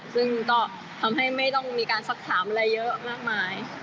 ซึ่งก็ทำให้ไม่ต้องมีการศักดิ์ค้ามากมาย